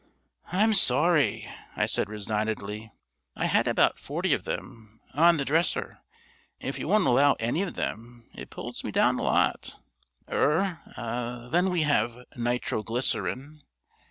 "I'm sorry," I said resignedly. "I had about forty of them on the dresser. If you won't allow any of them, it pulls me down a lot. Er then we have Nitro glycerine."